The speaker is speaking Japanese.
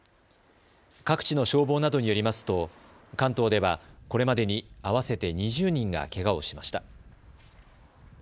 各地の消防などによりますと関東ではこれまでに合わせて２０人がけがをしました。